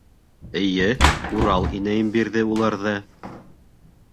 — Эйе, Урал инәйем бирҙе уларҙы.